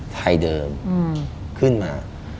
ไทยเดิมขึ้นมา